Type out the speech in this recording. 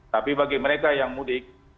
tapi bagi mereka yang mudik